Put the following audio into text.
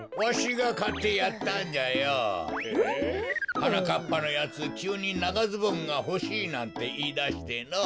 はなかっぱのやつきゅうにながズボンがほしいなんていいだしてのぉ。